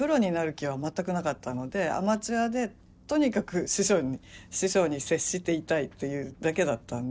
アマチュアでとにかく師匠に接していたいというだけだったんで。